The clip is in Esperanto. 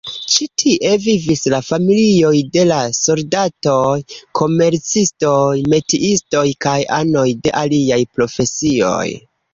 Ĉi- tie vivis la familioj de la soldatoj, komercistoj, metiistoj kaj anoj de aliaj profesioj.